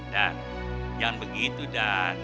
dan jangan begitu dan